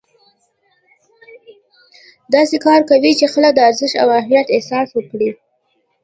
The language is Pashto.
داسې کار کوئ چې خلک د ارزښت او اهمیت احساس وکړي.